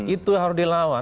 itu harus dilawan